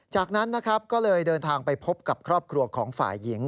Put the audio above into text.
จากนั้นนะครับก็เลยเดินทางไปพบกับครอบครัวของฝ่ายหญิง